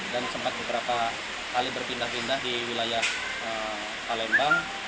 dan sempat beberapa kali berpindah pindah di wilayah kalembang